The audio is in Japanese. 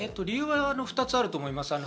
理由は２つあると思います。